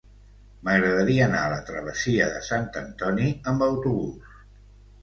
M'agradaria anar a la travessia de Sant Antoni amb autobús.